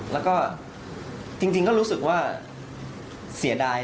แล้วก็จริงก็รู้สึกว่าเสียดาย